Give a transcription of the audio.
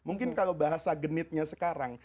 mungkin kalau bahasa genitnya sekarang